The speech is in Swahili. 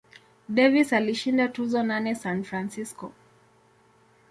Davis alishinda tuzo nane San Francisco.